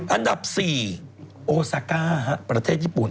อันดับ๔โอซาก้าประเทศญี่ปุ่น